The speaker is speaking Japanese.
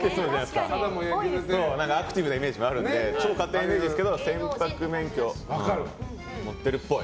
アクティブなイメージもあるので勝手なイメージですけど船舶免許を持ってるっぽい。